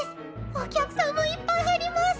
お客さんもいっぱい入りマス！